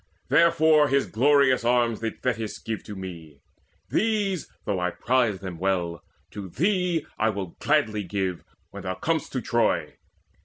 Therefore his glorious arms did Thetis give To me. These, though I prize them well, to thee Will I give gladly when thou com'st to Troy.